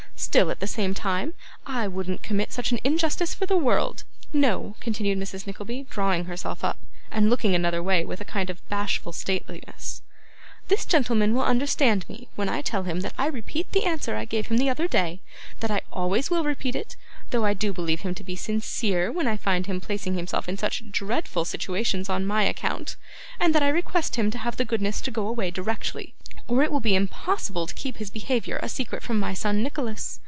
Still, at the same time, I wouldn't commit such an injustice for the world. No,' continued Mrs Nickleby, drawing herself up, and looking another way with a kind of bashful stateliness; 'this gentleman will understand me when I tell him that I repeat the answer I gave him the other day; that I always will repeat it, though I do believe him to be sincere when I find him placing himself in such dreadful situations on my account; and that I request him to have the goodness to go away directly, or it will be impossible to keep his behaviour a secret from my son Nicholas.